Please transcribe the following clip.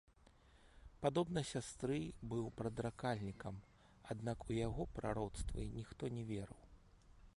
Падобна сястры, быў прадракальнікам, аднак у яго прароцтвы ніхто не верыў.